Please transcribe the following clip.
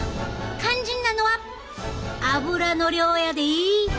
肝心なのは油の量やで！